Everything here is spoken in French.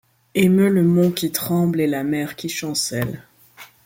Émeut le mont qui tremble et la mer qui chancelle